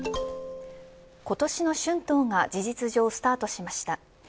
今年の春闘が事実上、スタートしました。